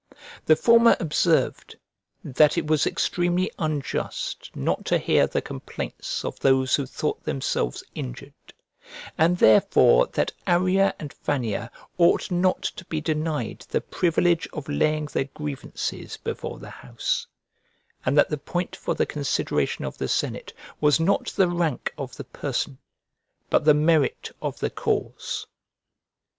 The former observed, "that it was extremely unjust not to hear the complaints of those who thought themselves injured, and therefore that Arria and Fannia ought not to be denied the privilege of laying their grievances before the house; and that the point for the consideration of the senate was not the rank of the person, but the merit of the cause."